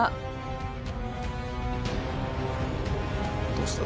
どうした？